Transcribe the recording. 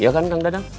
iya kan kang dadang